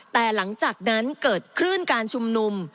แต่หลังจากนั้นเกิดคลื่นการชุมนุม